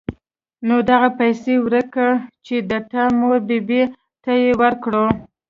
نو دغه پيسې وركه چې د تا مور بي بي ته يې وركي.